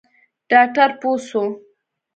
ډاکتر پوه سو.